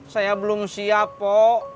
saya belum siap po